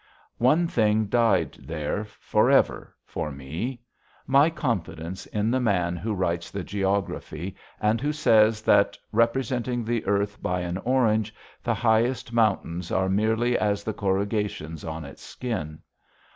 One thing died there forever for me my confidence in the man who writes the geography and who says that, representing the earth by an orange, the highest mountains are merely as the corrugations on its skin.